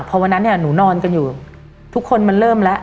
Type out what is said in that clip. พอวันนั้นเนี่ยหนูนอนกันอยู่ทุกคนมันเริ่มแล้ว